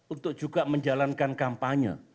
untuk juga menjalankan kampanye